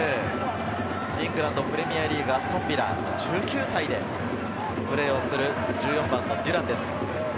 イングランド・プレミアリーグ、アストンビラ、１９歳でプレーをする１４番のデュランです。